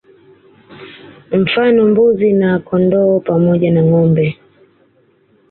Mfano Mbuzi na Kondoo pamoja na Ngombe